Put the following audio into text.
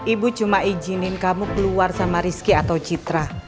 ibu cuma izinin kamu keluar sama rizki atau citra